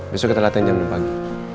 besok kita ke latin jam di pagi